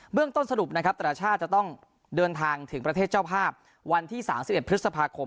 เรื่องต้นสรุปนะครับแต่ละชาติจะต้องเดินทางถึงประเทศเจ้าภาพวันที่๓๑พฤษภาคม